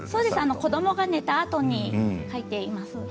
子どもが寝たあとに書いています。